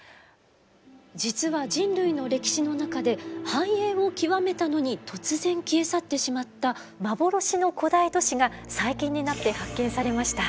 実は人類の歴史の中で繁栄を極めたのに突然消え去ってしまった幻の古代都市が最近になって発見されました。